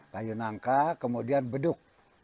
kayu nangka kemudian beduk